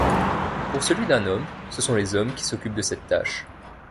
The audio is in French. Pour celui d'un homme ce sont les hommes qui s'occupent de cette tâche.